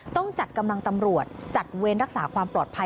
ต้องจัดกำลังตำรวจจัดเวรรักษาความปลอดภัย